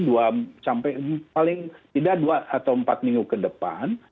dua sampai paling tidak dua atau empat minggu ke depan